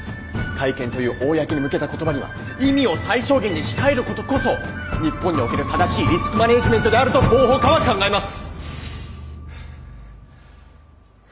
会見という公に向けた言葉には意味を最小限に控えることこそ日本における正しいリスクマネージメントであると広報課は考えます！